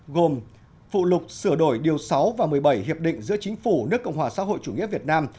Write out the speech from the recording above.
gồm phụ lục sửa đổi điều sáu và một mươi bảy hiệp định giữa chính phủ nước cộng hòa xã hội chủ nghĩa việt nam